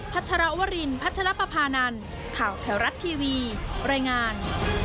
ชรวรินพัชรปภานันข่าวแถวรัฐทีวีรายงาน